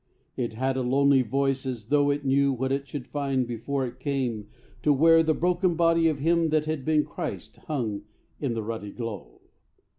It had a lonely voice as though it knew What it should find before it came to where The broken body of him that had been Christ Hung in the ruddy glow.